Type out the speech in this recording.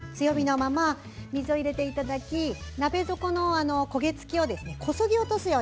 強火のまま水を入れていただき鍋底の焦げ付きをこそげ落とすように。